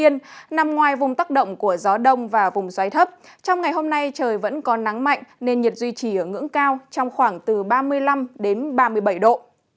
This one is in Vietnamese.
nằm ngoài vùng tắc động của gió đông và vùng xoáy thấp trong ngày hôm nay trời vẫn có nắng mạnh nên nhiệt duy trì ở ngưỡng cao trong khoảng từ ba mươi năm đến ba mươi bảy độ